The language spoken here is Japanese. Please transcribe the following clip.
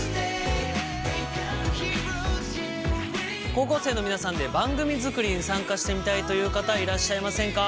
高校生の皆さんで番組作りに参加してみたいという方いらっしゃいませんか？